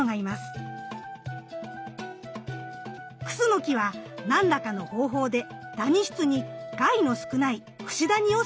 クスノキは何らかの方法でダニ室に害の少ないフシダニを住まわせています。